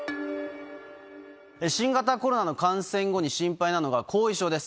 新型コロナの感染後に心配なのが後遺症です。